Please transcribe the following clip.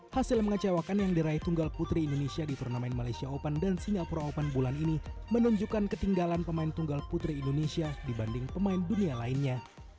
hasil mengecewakan yang diraih tunggal putri indonesia di turnamen malaysia open dan singapura open bulan ini menunjukkan ketinggalan pemain tunggal putri indonesia dibanding pemain dunia lainnya